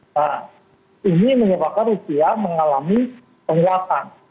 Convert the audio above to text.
nah ini menyebabkan rupiah mengalami penguatan